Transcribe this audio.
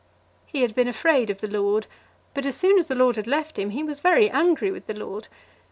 He had been afraid of the lord, but as soon as the lord had left him he was very angry with the lord.